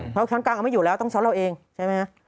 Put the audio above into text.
เพราะชั้นกลางเอาไม่อยู่แล้วต้องซ้อนเอาเองใช่ไหมฮะ